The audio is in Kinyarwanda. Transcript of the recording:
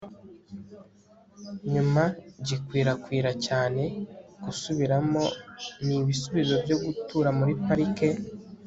nyuma, gikwirakwira cyane, gusubiramo, ni ibisubizo byo gutura muri parike